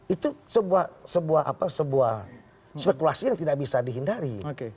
itu sebuah spekulasi yang tidak bisa dihindari